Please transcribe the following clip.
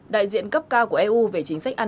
đại diện cấp cao của eu về chính sách áp dụng